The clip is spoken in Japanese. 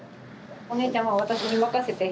お姉ちゃんは私に任せて。